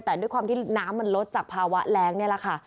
แต่ด้วยความที่น้ำมันลดจากภาวะแรงนี่แหละค่ะ